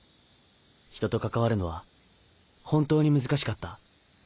ひとと関わるのは本当に難しかった